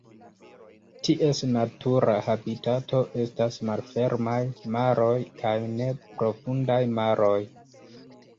Ties natura habitato estas malfermaj maroj kaj neprofundaj maroj.